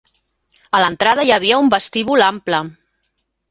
A l'entrada hi havia un vestíbul ample.